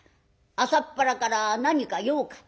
朝っぱらから何か用かい？」。